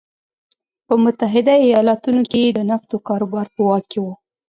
په متحده ایالتونو کې یې د نفتو کاروبار په واک کې و.